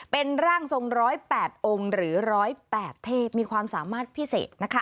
เป็นร่างทรง๑๐๘องค์หรือ๑๐๘เทพมีความสามารถพิเศษนะคะ